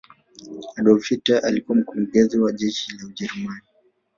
adolf hilter alikuwa mkurugezi wa jeshi la ujerumani